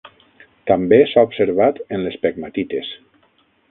També s'ha observat en les pegmatites.